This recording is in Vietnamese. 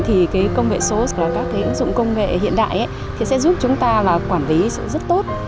thì công nghệ số và các ứng dụng công nghệ hiện đại thì sẽ giúp chúng ta quản lý rất tốt